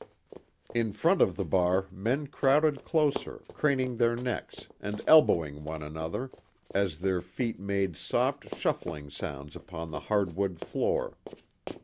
In front of the bar men crowded closer, craning their necks, and elbowing one another, as their feet made soft shuffling sounds upon the hardwood floor.